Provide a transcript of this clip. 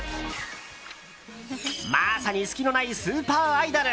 まさに隙のないスーパーアイドル。